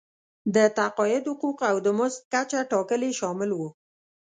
د تقاعد حقوق او د مزد کچه ټاکل یې شامل وو.